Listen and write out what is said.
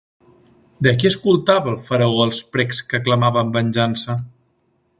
De qui escoltava el faraó els precs que clamaven venjança?